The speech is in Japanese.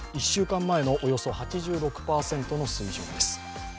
１週間前のおよそ８６％の水準です。